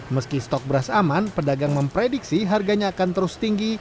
meski stok beras aman pedagang memprediksi harganya akan terus tinggi